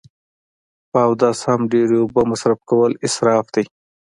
په اودس هم ډیری اوبه مصرف کول اصراف دی